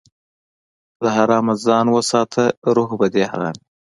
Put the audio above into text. له حرامه ځان وساته، روح به دې ارام وي.